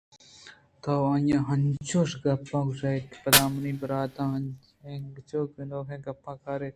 تو آئی ءَ انچوشیں گپ گوٛشئے پدا منی برات اینچکوکیں گپاں دلءَکاریت